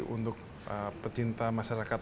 untuk pecinta masyarakat